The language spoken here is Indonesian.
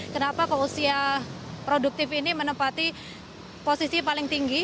kenapa keusia produktif ini menempati posisi paling tinggi